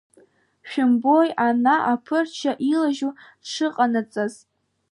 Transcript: Шәымбои ана аԥырча илажьу дшы ҟанаҵаз.